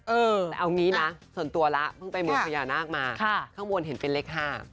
เออแต่เอางี้นะส่วนตัวละเพิ่งไปเมืองพญานาคมาข้างบนเห็นเป็นเลข๕